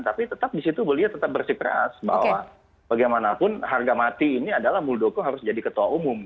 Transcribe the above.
tapi tetap di situ beliau tetap bersikeras bahwa bagaimanapun harga mati ini adalah muldoko harus jadi ketua umum